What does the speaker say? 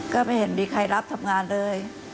ก็ไม่เห็นมีใครรับทำงานเลย